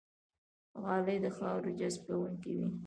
غالۍ د خاورو جذب کوونکې وي.